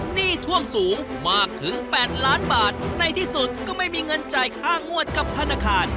หนี้ท่วมสูงมากถึง๘ล้านบาทในที่สุดก็ไม่มีเงินจ่ายค่างวดกับธนาคาร